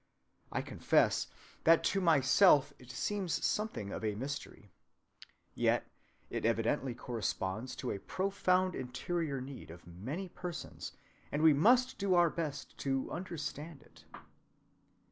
I confess that to myself it seems something of a mystery. Yet it evidently corresponds to a profound interior need of many persons, and we must do our best to understand it.